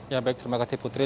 ya baik terima kasih putri